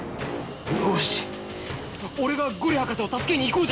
よし俺が五里博士を助けに行こうじゃないか。